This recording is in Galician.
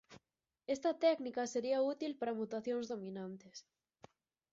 Esta técnica sería útil para mutacións dominantes.